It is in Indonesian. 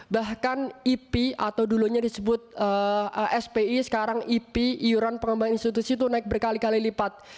bahkan ip atau dulunya disebut spi sekarang ip iuran pengembangan institusi itu naik berkali kali lipat